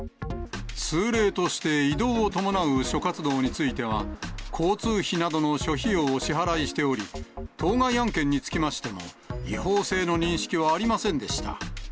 通例として移動を伴う諸活動については、交通費などの諸費用を支払いしており、当該案件につきましても、違法性の認識はありませんでした。